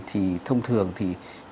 thì thông thường thì nó sẽ là nâu đậm